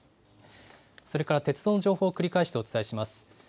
それから鉄道の情報を繰り返してお伝えします。